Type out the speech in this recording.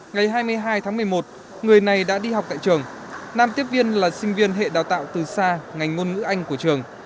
ngày hai mươi hai tháng một mươi một người này đã đi học tại trường nam tiếp viên là sinh viên hệ đào tạo từ xa ngành ngôn ngữ anh của trường